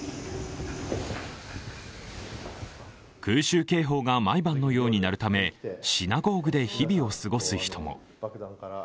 空襲警報が毎晩のように鳴るためシナゴーグで日々を過ごす人も。